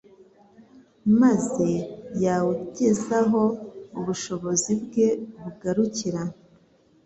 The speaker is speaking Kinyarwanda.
maze yawugeza aho ubushobozi bwe bugarukira,